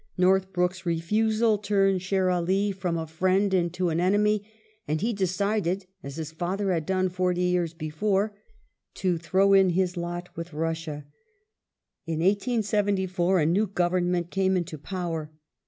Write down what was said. ^ Northbrook's i efusal " turned Sher Ali from a friend into an enemy, and he decided, as his father had done forty years before, to throw in his lot with Russia ".^ Lord In 1874 a new Government came into power.